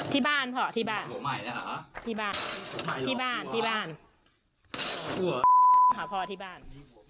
ที่บ้านพอที่บ้าน